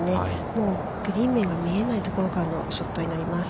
もう、グリーン面が見えないところからのショットになります。